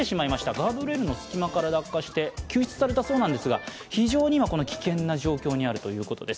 ガードレールの隙間から落下して救出されたそうですが非常に今、危険な状況にあるということです。